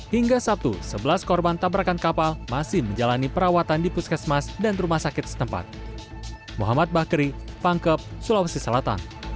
hingga sabtu sebelas korban tabrakan kapal masih menjalani perawatan di puskesmas dan rumah sakit setempat